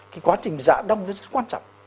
cái quá trình giả đông nó rất quan trọng